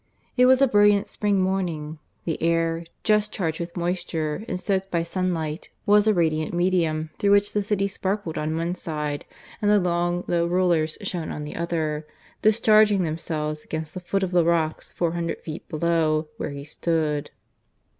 It was a brilliant spring morning; the air, just charged with moisture and soaked by sunlight, was a radiant medium through which the city sparkled on one side and the long, low rollers shone on the other, discharging themselves against the foot of the rocks four hundred feet below where he stood.